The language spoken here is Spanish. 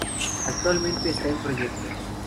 Actualmente está en proyecto.